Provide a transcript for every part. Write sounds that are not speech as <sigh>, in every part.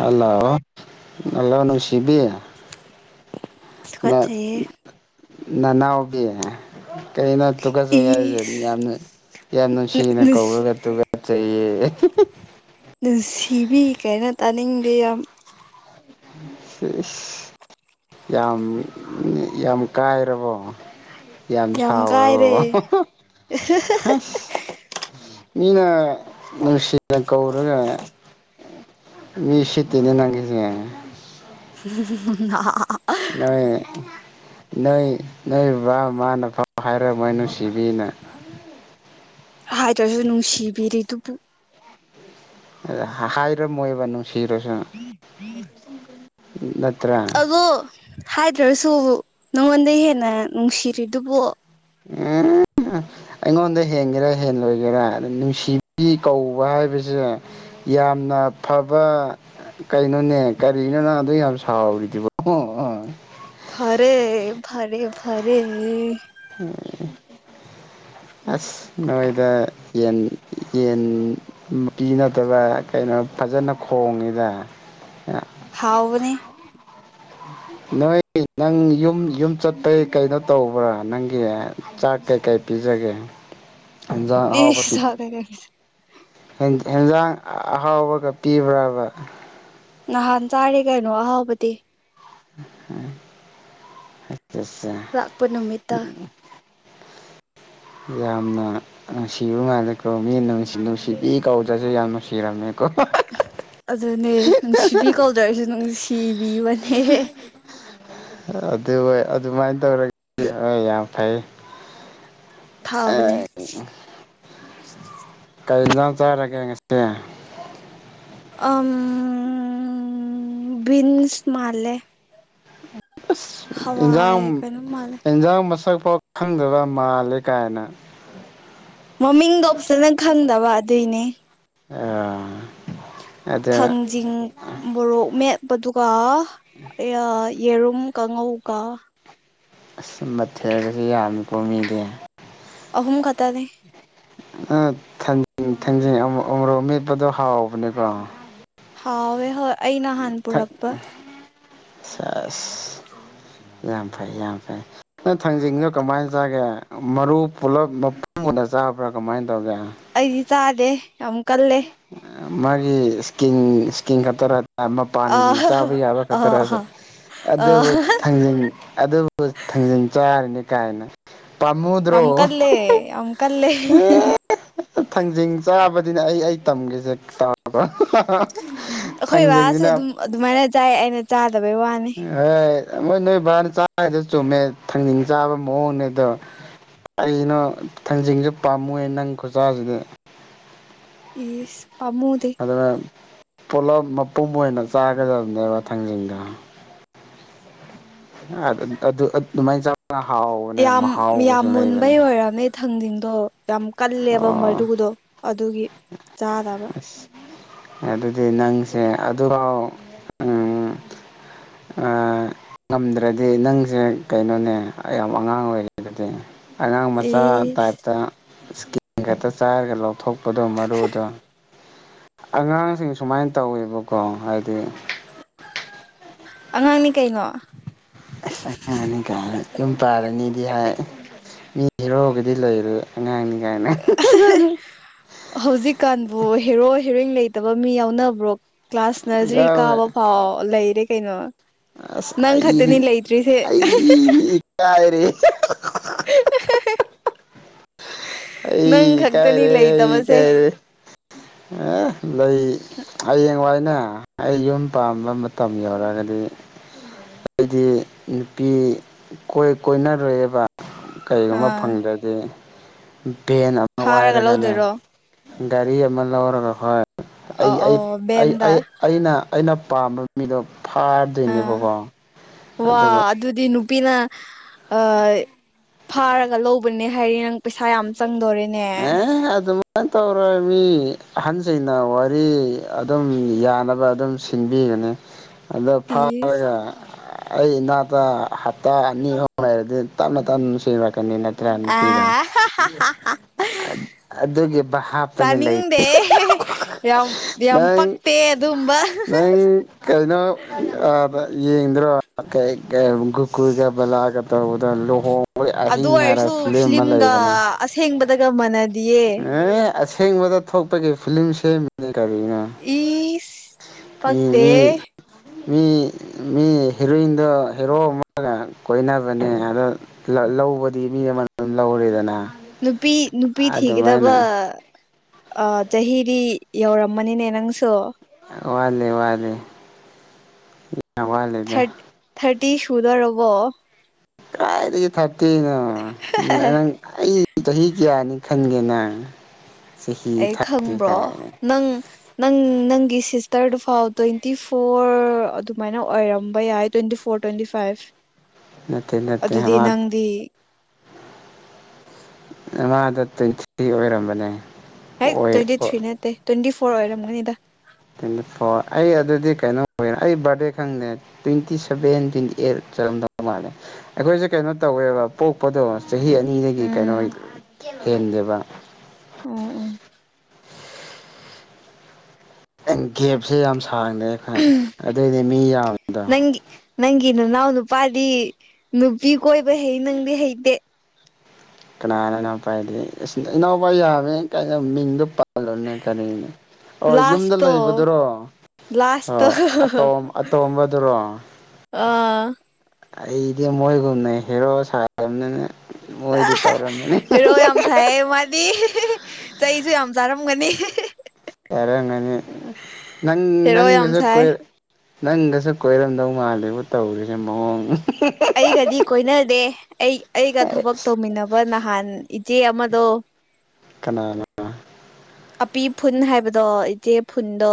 Hello hello ꯅꯪꯁꯤꯕꯤ ꯅꯪ ꯇꯨꯀꯠꯆꯩꯌꯦ ꯅꯅꯥꯎꯗꯤ ꯀꯩꯅꯣ ꯇꯨꯒꯠꯆꯩ ꯍꯥꯏꯔꯖꯤ ꯏꯁ ꯌꯥꯝꯅ ꯌꯥꯝ ꯅꯨꯡꯁꯤꯅ ꯅꯨꯁ ꯀꯧꯔꯒ ꯇꯨꯒꯠꯆꯩꯌꯦ ꯅꯨꯡꯁꯤꯕꯤ ꯀꯥꯏꯅ ꯇꯥꯅꯤꯡꯗꯦ ꯌꯥꯝ ꯁꯤ ꯏꯁ ꯌꯥꯝ ꯌꯥꯝ ꯀꯥꯏꯔꯕꯣ ꯌꯥꯝ ꯁꯥꯎꯔꯣ ꯑꯁ ꯃꯤꯅ ꯅꯨꯡꯁꯤꯅ ꯀꯧꯔꯒ ꯃꯤ ꯁꯤꯠꯇꯦꯅꯦ ꯅꯪꯒꯤꯁꯦ <unintelligible> ꯅꯣꯏ ꯅꯣꯏ ꯅꯣꯏ ꯕꯕꯥ ꯃꯃꯥꯅ ꯄꯥꯎ ꯍꯥꯏꯔꯝꯃꯣꯏ ꯅꯨꯡꯁꯤꯕꯤꯅ ꯍꯥꯏꯗ꯭ꯔꯥꯁꯨ ꯅꯨꯡꯁꯤꯕꯤꯔꯤ ꯗꯨꯕꯨ ꯑꯗ ꯍꯥꯏꯔꯝ ꯃꯣꯏꯕ ꯅꯨꯡꯁꯤꯔꯁꯨ ꯅꯠꯇ꯭ꯔꯥ ꯑꯣ ꯍꯥꯏꯗ꯭ꯔꯥꯁꯨ ꯅꯉꯣꯟꯗꯩ ꯍꯦꯟꯅ ꯅꯨꯡꯁꯤꯔꯤꯗꯨꯕꯨ ꯎꯝ <inaudible> ꯑꯩꯉꯣꯟꯗ ꯍꯦꯟꯒꯦꯔꯥ ꯍꯦꯟꯂꯣꯏꯒꯦꯔꯥ ꯑꯗꯨ ꯅꯨꯡꯁꯤꯕꯤꯒꯤ ꯀꯧꯕ ꯍꯥꯏꯕꯖꯦ ꯌꯥꯝꯅ ꯐꯕ ꯀꯩꯅꯣꯅꯦ ꯀꯔꯤꯅꯣ ꯅꯪ ꯑꯗꯨ ꯌꯥꯝ ꯁꯥꯎꯔꯤꯗꯨꯕꯨ ꯐꯔꯦ ꯐꯔꯦ ꯐꯔꯦ <unintelligible> ꯑꯁ ꯅꯣꯏꯗ ꯌꯦꯟ ꯌꯦꯟ ꯃꯥꯄꯤ ꯅꯠꯇꯕ ꯀꯩꯅꯣ ꯐꯖꯅ ꯈꯣꯡꯉꯤꯗ ꯍꯥꯎꯕꯅꯤ ꯅꯣꯏ ꯅꯪ ꯌꯨꯝ ꯌꯨꯝ ꯆꯠꯄꯩ ꯀꯩꯅꯣ ꯇꯧꯕ꯭ꯔꯥ ꯅꯪꯒꯤ ꯆꯥꯛ ꯀꯩꯀꯩ ꯄꯤꯖꯒꯦ ꯍꯦꯟꯖꯥꯡ ꯏꯁ ꯆꯥꯛ ꯀꯩꯀꯩ <inaudible> ꯍꯦꯟ ꯍꯦꯟꯖꯥꯡ ꯑꯍꯥꯎꯕꯒ ꯄꯤꯕ꯭ꯔꯥꯕ ꯅꯍꯥꯟ ꯆꯥꯔꯦ ꯀꯩꯅꯣ ꯑꯍꯥꯎꯕꯗꯤ ꯑꯠꯆꯥ ꯆꯥ ꯂꯥꯛꯄ ꯅꯨꯃꯤꯠꯇ ꯎꯝ ꯌꯥꯝꯅ ꯅꯨꯡꯁꯤꯕ ꯃꯥꯂꯦꯀꯣ ꯃꯤꯅꯨꯡꯁꯤ ꯅꯨꯡꯁꯤꯕꯤ ꯀꯧꯗ꯭ꯔꯥꯁꯨ ꯌꯥꯝ ꯅꯨꯡꯁꯤꯔꯝꯃꯦ ꯑꯗꯨꯅꯦ ꯅꯨꯡꯁꯤꯕꯤ ꯀꯧꯗꯔꯥꯁꯨ ꯅꯨꯡꯁꯤꯕꯤꯕꯅꯦ ꯑꯗꯨ ꯋꯣꯏ ꯑꯗꯨꯃꯥꯏꯟ ꯇꯧꯔꯗꯤ ꯌꯥꯝ ꯐꯩ ꯐꯕꯅꯦ ꯀꯩ ꯏꯟꯖꯥꯡ ꯆꯥꯔꯒꯦ ꯉꯁꯤ ꯑꯥꯝ ꯕꯤꯟꯁ ꯃꯥꯂꯦ ꯑꯁ ꯏꯟꯖꯥꯡ ꯀꯩꯅꯣ ꯃꯥꯜꯂꯦ ꯑꯦꯟꯖꯥꯡ ꯃꯁꯛꯐꯥꯎ ꯈꯪꯗꯕ ꯃꯥꯜꯂꯦ ꯀꯥꯏꯅ ꯃꯃꯤꯡꯗꯣ ꯐꯖꯅ ꯈꯪꯗꯕ ꯑꯗꯨꯏꯅꯦ ꯑꯥ ꯊꯥꯡꯖꯤꯡ ꯃꯔꯣꯛ ꯃꯦꯠꯄꯗꯨꯒ <unintelligible> ꯑꯦꯌꯥ ꯌꯦꯔꯨꯝ ꯀꯥꯡꯉꯧꯒ ꯑꯁ ꯃꯊꯦꯜꯒꯁꯦ ꯌꯥꯝꯃꯤ ꯀꯣ ꯃꯤꯗꯤ ꯑꯍꯨꯝ ꯈꯇꯥ ꯅꯦ ꯑꯥ ꯊꯥꯡꯖꯤꯡ ꯊꯥꯡꯖꯤꯡ ꯑꯃꯣ ꯎꯃꯣꯔꯣꯛ ꯃꯦꯠꯄꯗꯣ ꯍꯥꯎꯕꯅꯦꯀꯣ ꯍꯥꯎꯋꯦ ꯍꯣꯏ ꯑꯩ ꯅꯍꯥꯟ ꯄꯨꯔꯛꯄ ꯁꯥꯁ ꯌꯥꯝ ꯐꯔꯦ ꯌꯥꯝ ꯐꯔꯦ ꯅꯪ ꯊꯥꯡꯖꯤꯡꯗꯣ ꯀꯃꯥꯏꯅ ꯆꯥꯒꯦ ꯃꯔꯨ ꯄꯨꯂꯞ ꯃꯄꯨꯝ ꯑꯣꯏꯅ ꯆꯥꯕ꯭ꯔꯥ ꯀꯃꯥꯏꯅ ꯇꯧꯒꯦ ꯑꯩꯗꯤ ꯆꯥꯗꯦ ꯌꯥꯝ ꯀꯜꯂꯦ ꯃꯥꯒꯤ ꯏꯁꯀꯤꯟ ꯏꯁꯀꯤꯟ ꯈꯛꯇꯔ ꯑꯥ ꯑ ꯃꯄꯥꯟꯒꯤ ꯆꯥꯕ ꯌꯥꯕ ꯑ ꯈꯛꯇꯔꯦ ꯑ ꯑꯗꯨꯕꯨ ꯊꯥꯡꯖꯤꯡ ꯑꯗꯨꯕꯨ <unintelligible> ꯊꯥꯡꯖꯤꯡ ꯆꯥꯔꯤꯅꯤ ꯀꯥꯏꯅ ꯄꯃꯨꯗ꯭ꯔꯣ ꯌꯥꯝ ꯀꯜꯂꯦ ꯌꯥꯝ ꯀꯜꯂꯦ ꯊꯥꯡꯖꯤꯡ ꯆꯥꯕꯗꯤꯅꯦ ꯑꯩ ꯑꯩ ꯇꯝꯒꯦꯁꯦ ꯇꯥꯕꯔ ꯑꯈꯣꯏ ꯕꯥꯁꯨ ꯑꯗꯨꯝ ꯑꯗꯨꯃꯥꯏꯅ ꯆꯥꯏ ꯑꯩꯅ ꯆꯥꯗꯕꯩ ꯋꯥꯅꯤ <unintelligible> ꯃꯣꯏ ꯅꯣꯏ ꯕꯥꯅ ꯆꯥꯔꯤꯗꯖ ꯆꯨꯝꯃꯦ ꯊꯥꯡꯖꯤꯡ ꯆꯥꯕ ꯃꯑꯣꯡꯅꯦ ꯑꯗꯣ ꯀꯩꯅꯣ ꯊꯥꯡꯖꯤꯡꯖꯨ ꯄꯥꯝꯃꯨꯏ ꯅꯪ ꯈꯨꯆꯥꯥꯖꯤꯗꯤ ꯏꯁ ꯄꯥꯃꯨꯗꯦ ꯑꯗꯨꯒ ꯄꯨꯂꯞ ꯃꯄꯨꯝ ꯑꯣꯏꯅ ꯆꯥꯒꯗꯕꯅꯦꯕ ꯊꯥꯡꯖꯤꯡꯗꯣ <unintelligible> ꯑꯗꯨꯃꯥꯏꯅ ꯆꯥꯕꯅ ꯍꯥꯎꯕꯅꯦ ꯃꯍꯥꯎꯒꯁꯨ ꯂꯩꯕꯅꯦ ꯊꯪꯗꯤꯡꯗꯣ ꯌꯥꯝ ꯀꯜꯂꯦꯕ ꯑꯣ ꯃꯔꯨꯗꯣ ꯑꯗꯨꯒꯤ ꯆꯥꯗꯕ ꯑꯁ ꯑꯗꯨꯗꯤ ꯅꯪꯁꯦ ꯑꯗꯨꯐꯥꯎ ꯎꯝ ꯑꯥ ꯉꯝꯗ꯭ꯔꯗꯤ ꯅꯪꯁꯦ ꯀꯩꯅꯣꯅꯦ ꯑꯩ ꯌꯥꯝ ꯑꯉꯥꯡ ꯑꯣꯏꯔꯤ ꯑꯗꯨꯗꯤ ꯑꯉꯥꯡ ꯃꯆꯥ ꯏꯁ ꯇꯥꯏꯞꯇ ꯏꯁꯀꯤꯟ ꯈꯛꯇ ꯆꯥꯏꯔꯒ ꯂꯧꯊꯣꯛ ꯄꯗꯣ ꯃꯔꯨꯗꯣ ꯑꯉꯥꯡꯁꯤꯡ ꯁꯨꯃꯥꯏꯅ ꯇꯧꯋꯦꯕꯀꯣ ꯍꯥꯏꯗꯤ ꯑꯉꯥꯡꯅꯤ ꯀꯩꯅꯣ ꯑꯁ ꯑꯉꯥꯡꯅꯤ ꯒꯥꯏꯅ ꯌꯨꯝ ꯄꯥꯟꯂꯅꯤꯗꯤ ꯍꯥꯏ ꯃꯤ ꯍꯤꯔꯣꯒꯤꯗꯤ ꯂꯩꯏꯔꯦ ꯑꯉꯥꯡꯅꯤ ꯒꯥꯏꯅ ꯍꯧꯖꯤꯛꯀꯥꯟꯕꯨ ꯍꯦꯔꯣ ꯍꯦꯔꯣꯏꯅꯤ ꯂꯩꯇꯕ ꯃꯤ ꯌꯥꯎꯅꯕ꯭ꯔꯣ ꯀ꯭ꯂꯥꯁ ꯅꯔꯖꯔꯤ ꯌꯥꯎꯋꯦ ꯀꯥꯕ ꯐꯥꯎ ꯂꯩꯔꯦ ꯀꯩꯅꯣ ꯑꯁ ꯅꯪ ꯑꯩꯗꯤ ꯈꯛꯇꯅꯤ ꯂꯩꯇ꯭ꯔꯤꯁꯦ ꯑꯩꯗꯤ ꯏꯀꯥꯏꯔꯦꯍꯦ <unintelligible> ꯑꯩ ꯅꯪ ꯈꯛꯇꯅꯤ ꯏꯀꯥꯏꯔꯦ ꯑꯩ ꯂꯩꯇꯕꯁꯦ ꯏꯀꯥꯏꯔꯦ ꯍꯦ ꯂꯩ ꯍꯌꯦꯡꯋꯥꯏꯅꯦ ꯑꯩ ꯌꯨꯝ ꯄꯥꯝꯕ ꯃꯇꯝ ꯌꯧꯔꯒꯗꯤ ꯑꯩꯗꯤ ꯅꯨꯄꯤ ꯀꯣꯏ ꯀꯣꯏꯅꯔꯣꯏꯕ ꯀꯔꯤꯒꯨꯝꯕ ꯑꯥ ꯐꯪꯗ꯭ꯔꯗꯤ ꯚꯦꯟ ꯑꯃ ꯐꯥꯔꯒ ꯋꯥꯏꯔꯒꯅꯦ ꯂꯧꯗꯣꯏꯔꯣ ꯒꯥꯔꯤ ꯑꯃ ꯂꯧꯔꯒ ꯈꯣꯏ ꯑꯩ ꯑꯧ ꯑꯩ ꯑꯧ ꯑꯩ ꯚꯦꯟꯗ ꯑꯩ ꯑꯩꯅ ꯑꯩꯅ ꯄꯥꯝꯕ ꯃꯤꯗꯣ ꯑꯥ ꯐꯥꯗ꯭ꯣꯏꯅꯦꯕꯀꯣ ꯋꯥ ꯑꯗꯨꯗꯤ ꯅꯨꯄꯤꯅ <unintelligible> ꯐꯥꯔꯒ ꯂꯧꯕꯅꯦ ꯍꯥꯏꯔꯦ ꯅꯪ ꯄꯩꯁꯥ ꯌꯥꯝ ꯆꯪꯗꯣꯔꯦꯅꯦ ꯑꯦ ꯑꯗꯨꯝ ꯀꯩꯝ ꯇꯧꯔꯣꯏ ꯃꯤ ꯑꯍꯟꯁꯤꯡꯅ ꯋꯥꯔꯤ ꯑꯗꯨꯝ ꯌꯥꯅꯕ ꯑꯗꯨꯝ ꯁꯤ ꯁꯤꯟꯕꯤꯒꯅꯤ ꯑꯗꯣ ꯏꯁ ꯐꯥꯔꯒ ꯑꯩ ꯏꯅꯥꯠꯇ ꯍꯞꯇꯥ ꯑꯅꯤ ꯑꯍꯨꯝ ꯂꯩꯔꯗꯤ ꯇꯞꯅ ꯇꯞꯅ ꯅꯨꯡꯁꯤꯔꯛꯀꯅꯤꯅꯦ ꯇ꯭ꯔꯥꯏꯐ ꯅꯨꯄꯤꯔ ꯑ ꯑꯗꯨꯒꯤ ꯕꯍꯥꯞꯇꯅꯤ ꯂꯩ ꯈꯪꯗꯦ ꯌꯥꯝ ꯌꯥꯝ ꯅꯪ ꯄꯛꯇꯦ ꯑꯗꯨꯝꯕ ꯅꯪ ꯀꯩꯅꯣ ꯑ ꯗ ꯌꯦꯡꯗ꯭ꯔꯣ ꯀꯩ ꯀꯩꯕ ꯒꯨꯀꯨꯜꯒ ꯕꯂꯥꯒ ꯇꯧꯕꯗꯣ ꯂꯣꯍꯣꯡ ꯕꯒꯤ ꯑꯗꯨ ꯑꯍꯤꯡ ꯍꯥꯏꯔ ꯑꯣꯏꯔꯁꯨ ꯐꯤꯂꯝ ꯑꯃ ꯐꯤꯂꯝꯒ ꯂꯩꯕꯅꯦ ꯑꯁꯦꯡꯕꯗꯒ ꯃꯅꯥ ꯑꯦ ꯑꯁꯦꯡꯕꯗ ꯊꯣꯛꯄꯒꯤ ꯐꯤꯂꯝ ꯁꯦꯝꯃꯤꯅꯦ ꯀꯔꯤꯅꯣ ꯏꯁ ꯃꯤ ꯄꯛꯇꯦ ꯃꯤ ꯃꯤ ꯃꯤ ꯍꯤꯔꯣꯏꯟꯗꯣ ꯍꯦꯔꯣ ꯑꯃꯒ ꯀꯣꯏꯅꯕꯅꯦ ꯑꯗꯣ ꯂ ꯂꯧꯕꯗꯤ ꯃꯤ ꯑꯃꯅ ꯑꯗꯨꯝ ꯂꯧꯔꯦꯗꯅ ꯅꯨꯄꯤ ꯅꯨꯄꯤ ꯑꯗꯨꯃꯥꯏꯅ ꯊꯤꯒꯗꯕ ꯑ ꯆꯍꯤꯗꯤ ꯌꯧꯔꯝꯃꯅꯤꯅꯦ ꯅꯪꯁꯨ ꯋꯥꯠꯂꯤ ꯋꯥꯠꯂꯤ ꯌꯥꯝ ꯋꯥꯠꯂꯤ ꯊꯔꯠ ꯊꯔꯇꯤ ꯁꯨꯗꯣꯏꯔꯕꯣ ꯀꯥꯏꯗꯒꯤ ꯊꯥꯔꯇꯤꯅꯣ ꯅ ꯅꯪ ꯑꯩ ꯆꯍꯤ ꯀꯌꯥꯅꯤ ꯈꯟꯒꯦ ꯅꯪ ꯆꯍꯤ ꯑꯩ ꯊꯥꯔꯇꯤ ꯈꯪꯕ꯭ꯔꯣ ꯀꯥꯏꯅ ꯅꯪ ꯅꯪ ꯅꯪꯒꯤ ꯁꯤꯁꯇꯔꯗꯨ ꯐꯥꯎ ꯇ꯭ꯋꯦꯟꯇꯤ ꯐꯣꯔ ꯑꯗꯨꯃꯥꯏꯅ ꯑꯣꯏꯔꯝꯕ ꯌꯥꯏ? ꯇ꯭ꯋꯦꯟꯇꯤ ꯐꯣꯔ ꯇ꯭ꯋꯦꯟꯇꯤ ꯐꯥꯏꯚ ꯅꯠꯇꯦ ꯅꯠꯇꯦ ꯑꯗꯨꯗꯤ ꯃꯥ ꯅꯪꯗꯤ ꯃꯥꯥꯗꯣ ꯇ꯭ꯋꯦꯟ ꯊ꯭ꯔꯤ ꯑꯣꯏꯔꯝꯕꯅꯦ ꯍꯦꯠ ꯑꯣꯏ ꯇ꯭ꯋꯦꯟꯇꯤ ꯊ꯭ꯔꯤ ꯅꯠꯇꯦ ꯇ꯭ꯋꯦꯟꯇꯤ ꯐꯣꯔ ꯑꯣꯏꯔꯝꯒꯅꯤꯗ꯫ ꯑꯩ ꯑꯗꯨꯗꯤ ꯀꯩꯅꯣ ꯑꯣꯏ ꯑꯩ ꯕꯥꯔꯗꯦ ꯈꯪꯗꯦ꯫ ꯇ꯭ꯋꯦꯟꯇꯤ ꯁꯚꯦꯟ ꯇ꯭ꯋꯦꯟꯇꯤ ꯑꯩꯠ ꯆꯠꯂꯝꯗꯧ ꯃꯥꯜꯂꯦ ꯑꯩꯈꯣꯏꯖ‌ꯦ ꯀꯩꯅꯣ ꯇꯧꯋꯦꯕ ꯄꯣꯛꯄꯗꯣ ꯆꯍꯤ ꯑꯅꯤꯗꯒꯤ ꯀꯩꯅꯣ ꯎꯝ ꯍꯦꯟꯗꯦꯕ꯫ ꯎꯝ ꯎꯝ꯫ ꯑꯩ ꯒꯦꯞꯁꯦ ꯌꯥꯝ ꯁꯥꯡꯅꯦ ꯈꯟ ꯑꯗꯩꯗꯤ ꯃꯤ ꯌꯥꯝꯃꯤꯗꯣ꯫ ꯅꯪꯒꯤ ꯅꯪꯒꯤ ꯅꯅꯥꯎ ꯅꯨꯄꯥꯗꯤ ꯅꯨꯄꯤ ꯀꯣꯏꯕ ꯍꯩ ꯅꯪꯗꯤ ꯍꯩꯇꯦ ꯀꯅꯥꯅꯣ ꯄꯥꯢꯗꯤ ꯢꯁ ꯢꯅꯥꯎꯄꯥ ꯌꯥꯝꯃꯦ ꯀꯩꯅꯣ ꯃꯤꯡꯗꯣ ꯄꯥꯜꯂꯨꯅꯦ ꯀꯔꯤꯅꯤ꯫ ꯑꯣ ꯌꯨꯝꯗ ꯂꯥꯁꯇꯣ ꯂꯩꯕꯗꯨꯔꯣ꯫ ꯂꯥꯁꯇꯣ ꯑꯣ ꯑꯇꯣꯝ ꯑꯇꯣꯝꯕꯗꯨꯔꯣ? ꯑꯥ ꯑꯩꯗꯤ ꯃꯣꯏꯒꯨꯝꯅ ꯍꯦꯔꯣ ꯁꯥꯗꯕꯅꯤꯅ ꯃꯣꯏꯗꯤ ꯇꯧꯔꯝꯃꯅꯤ ꯫ ꯍꯦꯔꯣ ꯌꯥꯝ ꯁꯥꯏꯌꯦ ꯃꯥꯗꯤ ꯆꯩꯁꯨ ꯌꯥꯝ ꯆꯥꯔꯝꯒꯅꯤ꯫ ꯅꯪ ꯍꯦꯔꯣ ꯌꯥꯝ ꯅꯪꯒꯁꯨ ꯁꯥꯏ ꯀꯣꯏ ꯅꯪꯒꯁꯨ ꯀꯣꯏꯔꯝꯗꯧ ꯃꯥꯜꯂꯤꯕꯨ ꯇꯧꯔꯤꯁꯦ ꯃꯑꯣꯡ꯫ ꯑꯩꯒꯗꯤ ꯀꯣꯏꯅꯗꯦ ꯑꯩ ꯑꯩꯒ ꯊꯕꯛ ꯇꯧꯃꯤꯟꯅꯕ ꯅꯍꯥꯟ ꯏꯆꯦ ꯑꯃꯗꯣ ꯀꯅꯥꯅ ꯑꯄꯤ ꯐꯨꯟ ꯍꯥꯏꯕꯗꯣ ꯏꯆꯦ ꯐꯨꯟꯗꯣ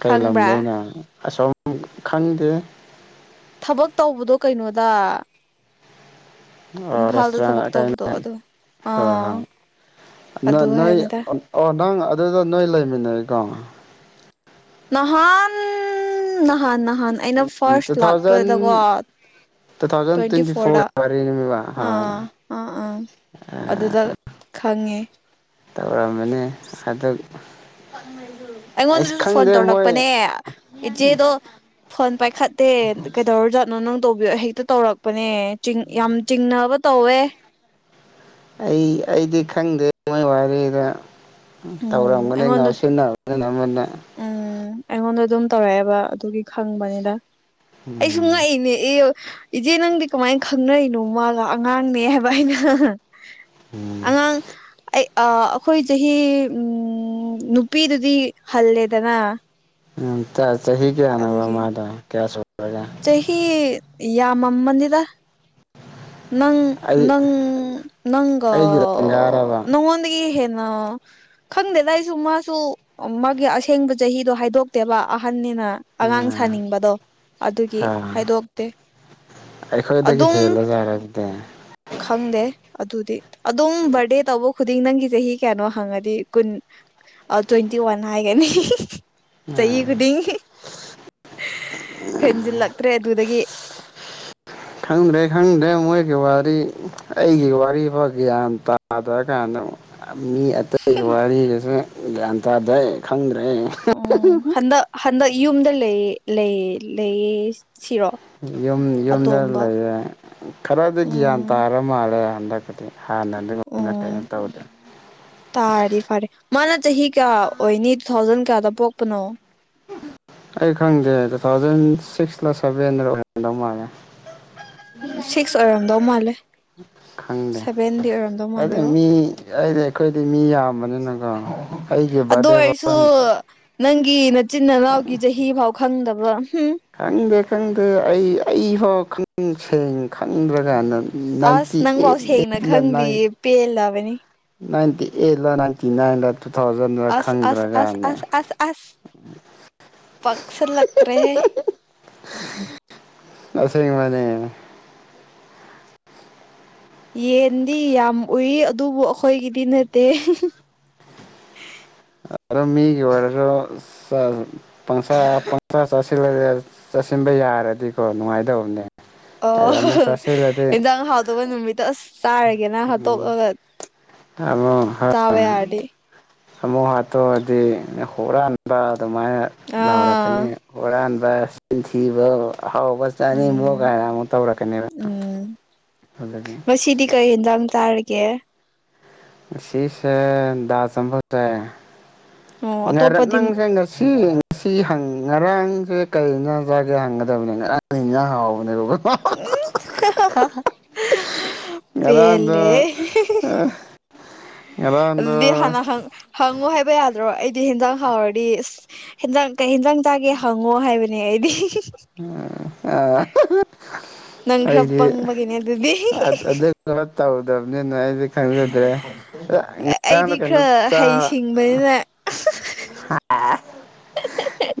ꯀꯩ ꯈꯪꯕ꯭ꯔꯥ ꯂꯝꯗꯩꯅꯣ ꯑꯁꯣꯝ ꯈꯪꯗꯦ꯫ ꯊꯕꯛ ꯇꯧꯕꯗꯣ ꯀꯩꯅꯣꯗ ꯑ ꯏꯝꯐꯥꯜꯗ ꯊꯕꯛ ꯔꯦꯁꯇꯨꯔꯦꯟ ꯇꯧꯕꯗꯣ ꯑꯗꯣ ꯑꯥ <unintelligible> ꯅ ꯑꯗꯨ ꯅꯣꯏ ꯍꯥꯏꯕꯅꯤꯗ ꯑꯣ ꯅꯪ ꯑꯗꯨꯗ ꯅꯣꯏ ꯂꯩꯃꯤꯟꯅꯩꯀꯣ? ꯅꯍꯥꯟ-ꯅꯍꯥꯟ-ꯅꯍꯥꯟ ꯑꯩꯅ ꯐꯥꯔꯁ ꯇꯨ ꯊꯥꯎꯖꯟ ꯂꯥꯛꯄꯗꯀꯣ ꯇꯨ ꯊꯥꯎꯖꯟ ꯇ꯭ꯋꯦꯟꯇꯤ ꯐꯣꯔꯗ ꯐꯣꯔ ꯋꯥꯔꯤꯅꯦꯕ ꯍꯣꯏ ꯑꯥ ꯑꯥ ꯑꯥ ꯑꯗꯨꯗ ꯈꯪꯉꯦ꯫ ꯇꯧꯔꯝꯕꯅꯤ ꯍꯟꯗꯛ ꯑꯩꯉꯣꯟꯗꯁꯨ ꯐꯣꯟ ꯇꯧꯔꯛꯄꯅꯦ꯫ ꯏꯆꯦꯗꯣ ꯐꯣꯟ ꯄꯥꯏꯈꯠꯇꯦ ꯀꯩꯗꯧꯔꯖꯥꯠꯅꯣ ꯅꯪ ꯇꯧꯕꯤꯌꯣ ꯍꯦꯛꯇ ꯇꯧꯔꯛꯄꯅꯦ꯫ ꯆꯤꯡ ꯌꯥꯝ ꯆꯤꯡꯅꯕ ꯇꯧꯋꯦ ꯑꯩ ꯑꯩꯗꯤ ꯈꯪꯗꯦ ꯃꯣꯏ ꯋꯥꯔꯤꯗ ꯎꯝ ꯇꯧꯔꯝꯒꯅꯤ ꯑꯩꯉꯣꯟꯗ ꯉꯥꯎꯁꯤꯟꯅꯕꯅꯤꯅ ꯑꯃꯅ꯫ ꯎꯝ ꯑꯩꯉꯣꯟꯗ ꯑꯗꯨꯝ ꯇꯧꯔꯛꯑꯦꯕ ꯑꯗꯨꯒꯤ ꯈꯪꯕꯅꯤꯗ꯫ ꯑꯩꯁꯨꯨ ꯎꯝ ꯉꯛꯏꯅꯦ ꯏꯌꯨ ꯏꯖꯦ ꯅꯪꯗꯤ ꯀꯃꯥꯏ ꯈꯪꯅꯩꯅꯣ ꯃꯥꯒ ꯑꯉꯥꯡꯅꯦ ꯍꯥꯏꯕ ꯑꯩꯅ ꯎꯝ ꯑꯉꯥꯡ ꯑꯩ ꯑ ꯑꯈꯣꯏ ꯆꯍꯤ ꯎꯝ ꯅꯨꯄꯤꯗꯗꯤ ꯍꯜꯂꯦꯗꯅꯥ ꯎꯝ ꯆꯥ ꯆꯍꯤ ꯀꯌꯥꯅꯣꯕ ꯃꯥꯗꯣ ꯀꯌꯥꯁꯨ ꯆꯍꯤ ꯌꯥꯝꯃꯝꯃꯅꯤꯗ ꯅꯪ ꯑꯩ ꯅꯪ ꯅꯪꯒ ꯑꯩꯒꯤ ꯂꯦꯡꯒꯥꯔꯕ ꯅꯉꯣꯟꯗꯒꯤ ꯍꯦꯟꯅ ꯈꯪꯗꯦꯗ ꯑꯩꯁꯨ ꯃꯥꯁꯨ ꯃꯥꯒꯤ ꯑꯁꯦꯡꯕ ꯆꯍꯤꯗꯣ ꯍꯥꯏꯗꯣꯛꯇꯦꯕ ꯑꯍꯟꯅꯤꯅ ꯑꯉꯥꯡ ꯁꯥꯅꯤꯡꯕꯗꯣ ꯑꯗꯨꯒꯤ ꯍꯥ ꯍꯥꯏꯗꯣꯛꯇꯦ ꯑꯩꯈꯣꯏꯗꯒꯤ ꯑꯗꯨꯝ ꯍꯦꯜꯂꯥ ꯖꯥꯠꯂꯣ ꯑꯗꯨꯗꯤ ꯈꯪꯗꯦ ꯑꯗꯨꯗꯤ ꯑꯗꯨꯝ ꯕꯔꯗꯦ ꯇꯧꯕ ꯈꯨ ꯗꯤꯡ ꯅꯪꯒꯤ ꯆꯍꯤ ꯀꯌꯥꯅꯣ ꯍꯪꯉꯗꯤ ꯀꯨꯟ ꯑꯥ ꯇ꯭ꯋꯦꯟꯇꯤ ꯋꯥꯟ ꯍꯥꯏꯒꯅꯤ ꯆꯍꯤ ꯎꯝ ꯈꯨꯗꯤꯡ ꯍꯦꯟꯖꯤꯟꯂꯛꯇ꯭ꯔꯦ ꯑꯗꯨꯗꯒꯤ ꯈꯪꯗ꯭ꯔꯦ ꯈꯪꯗ꯭ꯔꯦ ꯃꯣꯏꯒꯤ ꯋꯥꯔꯤ ꯑꯩꯒꯤ ꯋꯥꯔꯤꯐꯥꯎ ꯒ꯭ꯌꯥꯟ ꯇꯥꯗ꯭ꯔꯀꯥꯟꯗ ꯃꯤ ꯑꯇꯩꯒꯤ ꯋꯥꯔꯤꯗꯨꯁꯨ ꯒ꯭ꯌꯥꯟ ꯇꯥꯗꯦ ꯈꯪꯗ꯭ꯔꯦ ꯑꯣ ꯍꯟꯗꯛ ꯍꯟꯗꯛ ꯌꯨꯝꯗ ꯂꯩ ꯂꯩ ꯂꯩꯌꯦ ꯁꯤꯔꯣ ꯌꯨꯝ ꯌꯨꯝꯗ ꯑꯇꯣꯝꯕ ꯂꯩꯌꯦ ꯈꯔꯗꯤ ꯒ꯭ꯌꯥꯟ ꯎꯝ ꯇꯥꯔ ꯃꯥꯜꯂꯦ ꯍꯟꯗꯛꯀꯗꯤ ꯍꯥꯟꯅ ꯑꯗꯨꯒꯨꯝꯕ ꯎꯝ <unintelligible> ꯇꯧꯗꯦ ꯇꯥꯔꯗꯤ ꯐꯔꯦ ꯃꯥꯅ ꯆꯍꯤ ꯀꯌꯥ ꯑꯣꯏꯅꯤ ꯇꯨ ꯊꯥꯎꯖꯟ ꯀꯌꯥꯗ ꯄꯣꯛꯄꯅꯣ ꯑꯩ ꯈꯪꯗꯦ ꯇꯨ ꯊꯥꯎꯖꯟ ꯁꯤꯛꯁꯂꯥ ꯁꯚꯦꯟꯔꯥ ꯑꯣꯏꯔꯝꯗꯧ ꯃꯥꯜꯂꯦ ꯁꯤꯛꯁ ꯑꯣꯏꯔꯝꯗꯧ ꯃꯥꯜꯂꯦ ꯈꯪꯗꯦ ꯁꯚꯦꯟꯗꯤ ꯑꯣꯏꯔꯝꯗꯧ ꯑꯗꯨ ꯃꯥꯟꯗꯦꯕ ꯃꯤ ꯌꯥꯏ ꯌꯥꯏ ꯑꯩꯈꯣꯏꯗꯤ ꯃꯤ ꯌꯥꯝꯕꯅꯤꯅꯀꯣ ꯑꯩꯒꯤ ꯑꯗꯨ ꯕꯥꯔꯗꯦ ꯑꯣꯏꯔꯁꯨ ꯐꯥꯎ ꯅꯪꯒꯤ ꯅꯆꯤꯟ ꯅꯅꯥꯎꯒꯤ ꯆꯍꯤ ꯐꯥꯎ ꯈꯪꯗꯕ ꯍꯨꯝ ꯈꯪꯗꯦ ꯈꯪꯗꯦ ꯑꯩ ꯑꯩꯐꯥꯎ ꯈꯪ ꯁꯦꯡ ꯈꯪꯗ꯭ꯔ ꯀꯥꯟꯗ ꯑꯁ ꯅꯪꯐꯥꯎ ꯁꯦꯡꯅ ꯈꯪꯗꯤꯌꯦ ꯄꯦꯜꯂꯕꯅꯤ ꯅꯥꯏꯟꯇꯤꯑꯦꯠ ꯂꯥ ꯅꯥꯏꯟꯇꯤꯅꯥꯏꯟ ꯂꯥ ꯇꯨ ꯊꯥꯎꯖꯟꯔꯥ ꯑꯁ ꯈꯪꯗ꯭ꯔꯥ ꯑꯁ ꯑꯁ ꯀꯥꯟꯗ ꯑꯁ ꯄꯛꯁꯟꯂꯛꯇ꯭ꯔꯦꯍꯦ ꯑꯁꯦꯡꯕꯅꯦ ꯌꯦꯟꯗꯤ ꯌꯥꯝ ꯎꯏ ꯑꯗꯨꯕꯨ ꯑꯩꯈꯣꯏꯒꯤꯗꯤ ꯅꯠꯇꯦ ꯑꯗꯣ ꯃꯤꯒꯤ ꯑꯣꯏꯔꯁꯨ <unintelligible> ꯄꯪꯆꯥ ꯄꯪꯆꯥ ꯆꯥꯁꯤꯟꯂꯒꯥ ꯆꯥꯁꯤꯟꯕ ꯌꯥꯔꯗꯤꯀꯣ ꯅꯨꯡꯉꯥꯏꯗꯧꯕꯅꯦ ꯑꯣ ꯑꯗ ꯑꯃꯨꯛ ꯆꯥꯁꯤꯜꯂꯗꯤ ꯏꯟꯖꯥꯡ ꯍꯥꯎꯇꯕꯥ ꯅꯨꯃꯤꯠꯇ ꯑꯁ ꯆꯥꯔꯒꯦꯅ ꯍꯥꯠꯇꯣꯛꯂꯒ ꯑꯃꯨꯛ ꯆꯥꯕ ꯌꯥꯔꯗꯤ ꯑꯃꯨꯛ ꯍꯥꯠꯇꯣꯛꯑꯗꯤ ꯍꯨꯔꯥꯟ ꯕ ꯑꯗꯨꯃꯥꯏꯅ ꯑꯥ ꯂꯥꯎꯔꯛꯀꯅꯤ ꯍꯨꯔꯥꯟꯕ ꯆꯤꯟꯊꯤꯕꯧ ꯑꯍꯥꯎꯕ ꯆꯥꯅꯤꯡꯕꯧ ꯎꯝ ꯀꯥꯏꯅ ꯑꯃꯨꯛ ꯇꯧꯔꯛꯀꯅꯦꯕ ꯑꯗꯨꯗꯤ ꯁꯤꯗꯤ ꯀꯩ ꯍꯤꯟꯖꯥꯡ ꯆꯥꯔꯤꯛ ꯒꯦ ꯉꯁꯤꯁꯦ ꯗꯥꯜ <unintelligible> ꯆꯥꯏ ꯑꯣ ꯑꯇꯣꯞꯄꯗꯤ ꯅꯪꯁꯦ ꯉꯁꯤ ꯑꯁꯤ ꯉꯔꯥꯡꯁꯦ ꯀꯔꯤꯅ ꯢꯟꯁꯥꯡ ꯆꯥꯒꯦ ꯍꯪꯒꯗꯕꯅꯦ ꯉꯔꯥꯡ ꯢꯟꯁꯥꯡ ꯍꯥꯎꯕꯅꯦꯕ꯫ ꯎꯝ ꯍꯥ-ꯍꯥ ꯉꯔꯥꯡꯗꯣ ꯄꯦꯜꯂꯦ ꯉꯔꯥꯡꯗꯣ ꯑꯗꯨꯗꯤ ꯍꯥꯟꯅ ꯍꯪꯉꯨ ꯍꯥꯏꯕ ꯌꯥꯗ꯭ꯔꯣ ꯑꯩꯗꯤ ꯍꯦꯟꯖꯥꯡ ꯍꯥꯎꯔꯗꯤ ꯍꯦꯟꯖꯥꯡ ꯀꯩ ꯍꯦꯟꯖꯥꯡ ꯆꯥꯒꯦ ꯍꯪꯉꯣ ꯍꯥꯏꯕꯅꯦ ꯑꯩꯗꯤ꯫ ꯅꯪ ꯈꯔ ꯑꯩꯗꯤ ꯄꯪꯕꯒꯤꯅꯦ ꯑꯗꯨꯗꯤ ꯑꯗꯨ ꯇꯧꯗꯅꯤꯅ꯫ ꯪꯗꯪꯖꯗ꯭ꯔꯦ꯫ ꯑꯩꯗꯤ ꯈꯔ ꯍꯩꯁꯤꯡꯕꯅꯤꯅ ꯍꯥ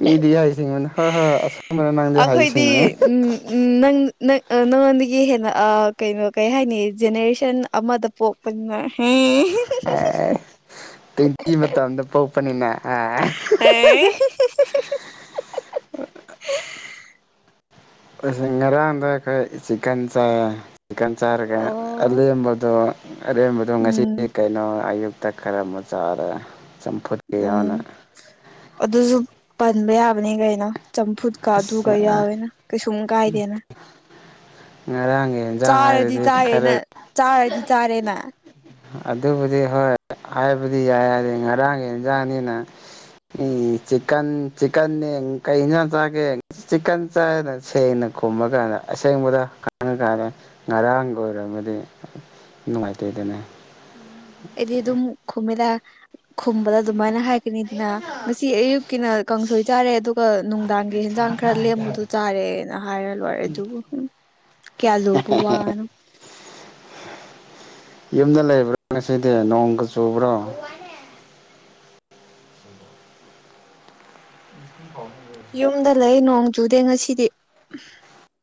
ꯃꯤꯗꯤ ꯍꯥꯏꯁꯤꯅꯤ꯫ ꯅꯪꯗꯤ ꯍꯩ ꯑꯩꯈꯣꯏꯗꯤ ꯁꯤꯡꯉꯦ꯫ ꯎꯝ ꯅꯪ ꯅꯪꯉꯣꯟꯗꯒꯤ ꯍꯦꯟꯅ ꯀꯩꯅꯣ ꯀꯩ ꯍꯥꯏꯅꯤ ꯖꯦꯅꯦꯔꯦꯁꯟ ꯑꯃꯗ ꯄꯣꯛ ꯄ ꯅꯦ꯫ ꯑꯦ ꯇꯣꯢꯟꯇꯤ ꯃꯇꯝꯝꯗ ꯄꯄꯅꯤꯅ ꯍꯥ꯫ ꯑꯦ ꯍꯤ-ꯍꯤ꯫ <inaudible> ꯉꯔꯥꯡꯗꯣ ꯑꯩꯈꯣꯏ ꯆꯤꯛꯀꯟ ꯆꯥꯏ ꯆꯤꯛꯀꯟ ꯆꯥꯔꯒ ꯑꯦꯝꯕꯗꯣ ꯑꯔꯦꯝꯕꯗꯣ ꯉꯁꯤ ꯎꯝ ꯀꯩꯅꯣ ꯑꯌꯨꯛꯇ ꯈꯔ ꯑꯃꯨꯛ ꯆꯥꯔꯦ꯫ ꯆꯝꯐꯨꯠꯀ ꯎꯝ ꯌꯥꯎꯅ ꯑꯗꯨꯁꯨ ꯄꯟꯕ ꯌꯥꯕꯅꯤ ꯀꯩꯅꯣ ꯆꯝꯐꯨꯠ ꯀꯥ ꯑꯗꯨ ꯀ ꯑꯁ ꯌꯥꯎꯋꯦꯅ ꯀꯩꯁꯨꯝ ꯀꯥꯏꯗꯦꯅ꯫ ꯉꯔꯥꯡꯒꯤ ꯌꯦꯟꯖꯥꯡ ꯆꯥꯔꯗꯤ ꯍꯥꯏꯔꯗꯤ ꯈꯔ ꯆꯥꯔꯦꯅ ꯆꯥꯔꯗꯤ ꯆꯥꯔꯦꯅ ꯑꯗꯨꯕꯨꯗꯤ ꯍꯣꯏ ꯍꯥꯏꯕꯗꯤ ꯌꯥꯢ ꯉꯔꯥꯡꯒꯤ ꯌꯦꯟꯖꯥꯡꯅꯤꯅ ꯎꯝ ꯆꯤꯛꯀꯟ ꯆꯤꯛꯀꯟꯅꯦ ꯀꯩ ꯌꯦꯟꯁꯥꯡ ꯆꯥꯔꯒꯦ? ꯆꯤꯛꯀꯟ ꯆꯥꯏꯅ ꯁꯦꯡꯅ ꯈꯨꯝꯃꯀꯥꯟꯗ ꯑꯁꯦꯡꯕꯗ ꯈꯥꯡꯉꯀꯥꯟꯗ ꯉꯔꯥꯡꯒꯤ ꯑꯣꯏꯔꯝꯃꯗꯤ ꯅꯨꯡꯉꯥꯏꯇꯦꯗꯅ꯫ ꯑꯩꯗꯤ ꯑꯗꯨꯝ ꯈꯨꯝꯃꯦꯗ ꯈꯨꯝꯕꯗ ꯑꯗꯨꯃꯥꯏꯅ ꯍꯥꯏꯒꯅꯤ ꯑꯗꯨꯅ ꯉꯁꯤ ꯑꯌꯨꯛꯀꯤꯅ ꯀꯥꯡꯁꯣꯏ ꯆꯥꯔꯦ ꯑꯗꯨꯒ ꯑꯗꯨꯒ ꯅꯨꯡꯗꯥꯡꯒꯤ ꯍꯟꯖꯥꯡ ꯈꯔ ꯂꯦꯝꯕꯗꯣ ꯆꯥꯔꯦꯅ ꯍꯥꯏꯔ ꯂꯣꯏꯔꯦ ꯑꯗꯨꯕꯨ ꯍꯨꯝ ꯀꯌꯥꯂꯨꯕ ꯋꯥꯅꯣ꯫ ꯌꯨꯝꯗ ꯂꯩꯕ꯭ꯔꯣ ꯉꯁꯤꯗꯤ ꯅꯣꯡꯒ ꯆꯨꯕ꯭ꯔꯣ? <inaudible> ꯌꯨꯝꯗ ꯂꯩ ꯅꯣꯡ ꯆꯨꯗꯦ ꯉꯁꯤꯗꯤ꯫